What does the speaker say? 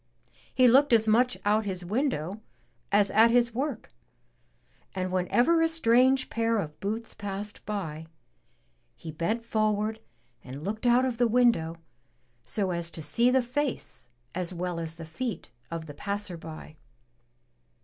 He looked as much out his window as at his work, and whenever a strange pair of boots passed by, he bent forward and looked out of the window, so as to see the face as well as the feet of the passer by.